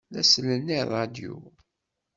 La sellen i ṛṛadyu.